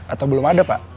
atau belum ada pak